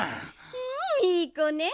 うんいいこね。